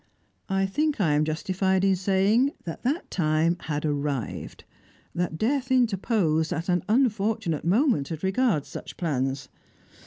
I think I am justified in saying that that time had arrived, that death interposed at an unfortunate moment as regards such plans.